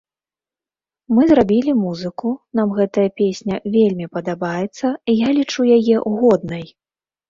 Мы зрабілі музыку, нам гэтая песня вельмі падабаецца, я лічу яе годнай.